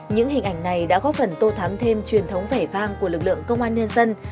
những hình ảnh này đã góp phần tô thắm thêm truyền thống vẻ vang của lực lượng công an nhân dân